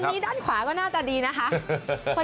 อันนี้ด้านขวาก็หน้าตาดีนะคะ